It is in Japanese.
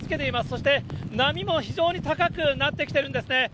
そして波も非常に高くなってきているんですね。